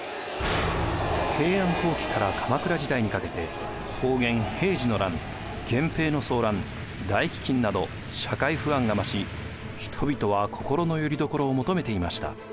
平安後期から鎌倉時代にかけて保元・平治の乱源平の争乱大飢饉など社会不安が増し人々は心のよりどころを求めていました。